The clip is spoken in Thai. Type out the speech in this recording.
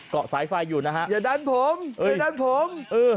สายไฟอยู่นะฮะอย่าดันผมอย่าดันผม